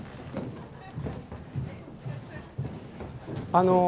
あの。